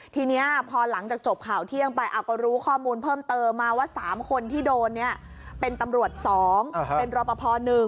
ทีนี้พอหลังจากจบข่าวเที่ยงไปก็รู้ข้อมูลเพิ่มเติมมาว่า๓คนที่โดนเนี่ยเป็นตำรวจ๒เป็นรอปภ๑